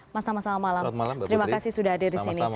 mas tama selamat malam terima kasih sudah hadir di sini